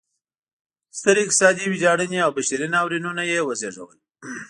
سترې اقتصادي ویجاړنې او بشري ناورینونه یې وزېږول.